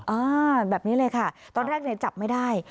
อ้าวแบบนี้เลยค่ะตอนแรกจับไม่ได้